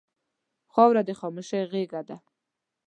خاوره د خاموشۍ غېږه ده.